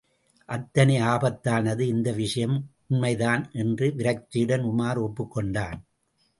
அத்தனை ஆபத்தானது இந்த விஷயம்! உண்மைதான் என்று விரக்தியுடன் உமார் ஒப்புக்கொண்டான்.